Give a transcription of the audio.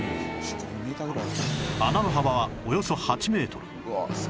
穴の幅はおよそ８メートル